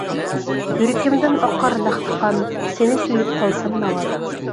يۈرىكىمدىن ئاقار لەختە قان، سېنى سۆيۈپ قالسام ناۋادا.